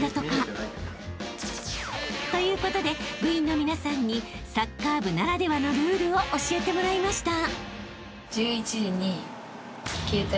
［ということで部員の皆さんにサッカー部ならではのルールを教えてもらいました］